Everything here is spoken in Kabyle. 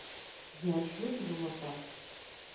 Gar cwiṭ, d waṭas.